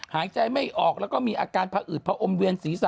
หายใจไม่ออกแล้วก็มีอาการผอืดผอมเวียนศีรษะ